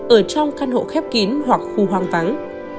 ở trong căn hộ khép kín hoặc khu hoang vắng